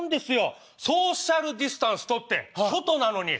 ソーシャルディスタンスとって外なのに。